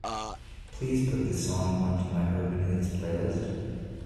Please put this song onto my Urban Hits playlist.